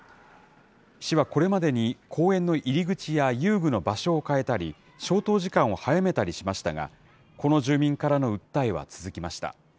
市はこれまでに、公園の入り口や遊具の場所を変えたり、消灯時間を早めたりしましたが、この住民からの訴えは続きました。